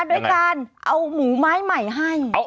ด้วยการเอาหมูไม้ใหม่ให้